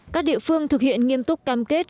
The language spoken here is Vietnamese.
các địa phương thực hiện nghiêm túc cam kết